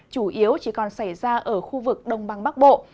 chủ yếu chỉ còn xảy ra ở khu vực đông băng bắc bộ